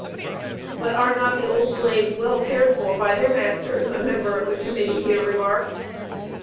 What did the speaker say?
"But are not the old slaves well cared for by their masters?" a member of the Committee here remarked.